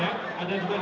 kemudian ketua komuni